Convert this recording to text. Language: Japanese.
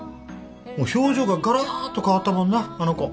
表情ががらっと変わったもんなあの子。